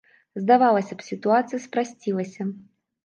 Здавалася б, сітуацыя спрасцілася.